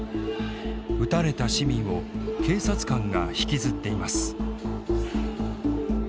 撃たれた市民を警察官が引きずっています。